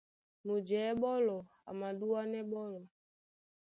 Mujɛ̌ɓólɔ a madúánɛ́ ɓɔ́lɔ̄.